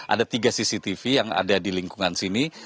ada tiga cctv yang ada di lingkungan sini